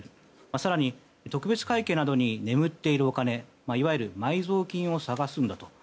更に特別会計に埋まっているお金いわゆる埋蔵金を探すんだと。